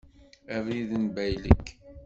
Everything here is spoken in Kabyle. Abrid n baylek.